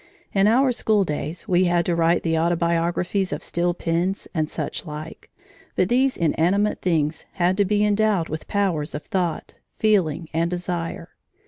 In our schooldays we had to write the autobiographies of steel pens, and such like, but these inanimate things had to be endowed with powers of thought, feeling, and desire.